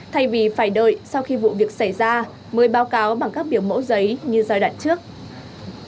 thay vì phải đợi sau khi vụ việc xảy ra mới báo cáo bằng các biểu mẫu giấy như giai đoạn trước